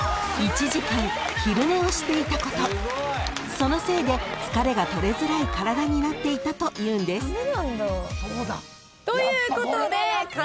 ［そのせいで疲れが取れづらい体になっていたというんです］ということで勝俣さんのみ正解ですお見事！